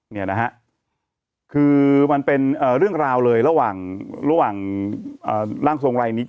เนี่ยนะฮะคือมันเป็นเรื่องราวเลยระหว่างระหว่างร่างทรงรายนี้